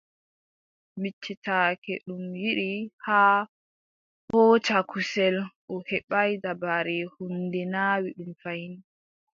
Miccitake ɗum yiɗi haa hooca kusel O heɓaay dabare, huunde naawi ɗum fayin.